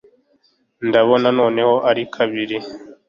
ndabona noneho ari babiri